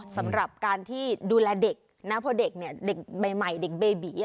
สำหรับการที่ดูแลเด็กนะเพราะเด็กใหม่เด็กเบบี